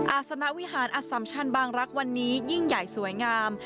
อาศนวิหารอสัมชันบางรักษ์วันนี้ยิ่งใหญ่สวยงาม